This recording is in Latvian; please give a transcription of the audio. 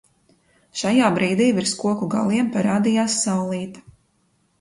Šajā brīdī virs koku galiem parādījās saulīte.